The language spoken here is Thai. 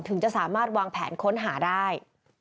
ถึงจะสามารถวางแผนค้นหาได้